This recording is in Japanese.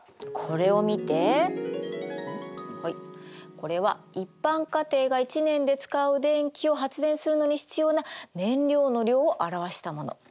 これは一般家庭が１年で使う電気を発電するのに必要な燃料の量を表したもの。